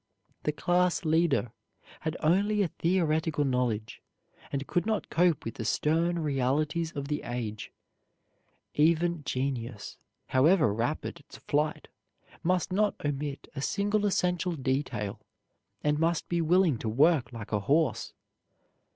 The class leader had only a theoretical knowledge, and could not cope with the stern realities of the age. Even genius, however rapid its flight, must not omit a single essential detail, and must be willing to work like a horse.